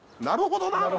「なるほどな」？